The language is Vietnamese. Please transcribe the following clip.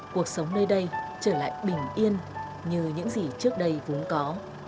cuộc sống nơi đây trở lại bình yên như những gì trước đây vốn có